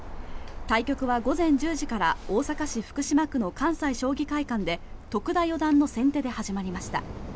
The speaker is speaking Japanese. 対局午前１０時から大阪市福島区の関西将棋会館で徳田四段の先手で始まりました。